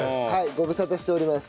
ご無沙汰しております。